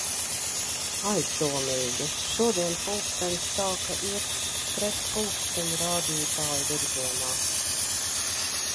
Aizdomīgi... Šodien pulkstens sāka iet pretpulksteņrādītājvirzienā!